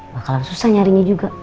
bakalan susah nyarinya juga